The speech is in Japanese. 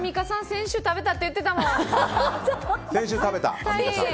先週食べたって言ってたもん。